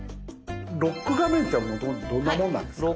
ロック画面ってもともとどんなもんなんですか？